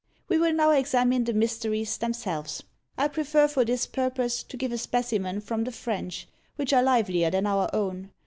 We will now examine the Mysteries themselves. I prefer for this purpose to give a specimen from the French, which are livelier than our own.